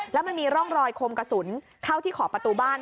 แล้วมันมีร่องรอยคมกระสุนเข้าที่ขอบประตูบ้าน